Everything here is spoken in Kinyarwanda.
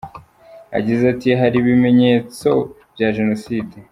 Yagize ati “Hari ibimenyetso bya jenoside.